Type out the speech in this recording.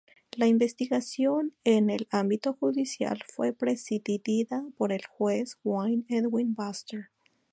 La investigación en el ámbito judicial fue presidida por el juez Wynne Edwin Baxter.